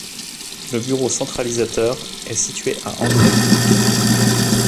Le bureau centralisateur est situé à Anglet.